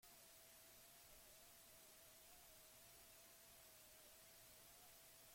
Artearen sistema da kapitalismoaren erakuslerik onena.